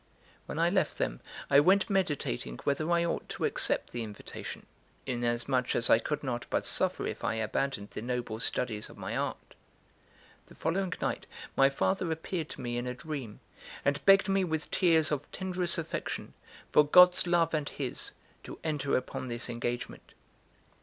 When I left them, I went meditating whether I ought to accept the invitation, inasmuch as I could not but suffer if I abandoned the noble studies of my art. The following night my father appeared to me in a dream, and begged me with tears of tenderest affection, for God's love and his, to enter upon this engagement.